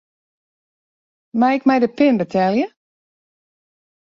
Mei ik mei de pin betelje?